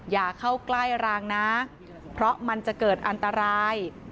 อย่าเข้าใกล้รางนะเพราะมันจะเกิดอันตราย